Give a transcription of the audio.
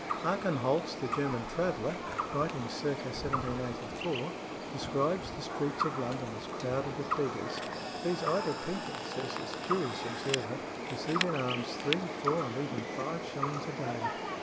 Archenholz, the German traveller, writing circa 1784, describes the streets of London as crowded with beggars. "These idle people," says this curious observer, "receive in alms three, four, and even five shillings a day.